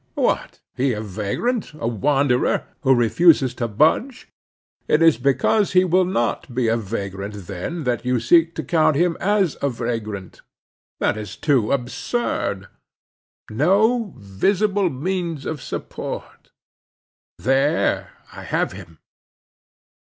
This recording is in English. What! he a vagrant, a wanderer, who refuses to budge? It is because he will not be a vagrant, then, that you seek to count him as a vagrant. That is too absurd. No visible means of support: there I have him.